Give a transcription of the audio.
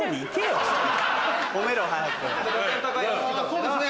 そうですね